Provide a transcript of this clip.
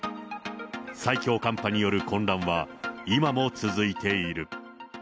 最強寒波による混乱は、今も続いている。